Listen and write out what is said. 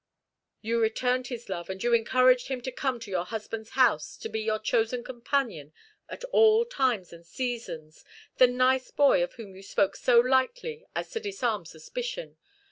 "You returned his love, and you encouraged him to come to your husband's house, to be your chosen companion at all times and seasons, the 'nice boy' of whom you spoke so lightly as to disarm suspicion.